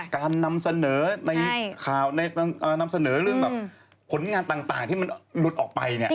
การนำเสนอในข่าวนำเสนอเรื่องแบบผลงานต่างที่มันหลุดออกไปเนี่ย